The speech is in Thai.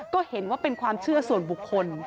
ก็เห็นว่าเป็นความเชื่อส่วนบุคคล